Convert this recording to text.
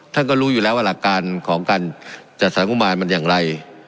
ท่านก็รู้อยู่แล้วว่าหลักการของการจัดสรรงบมารมันอย่างไร